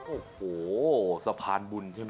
โอ้โหสะพานบุญใช่ไหม